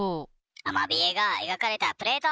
アマビエが描かれたプレート。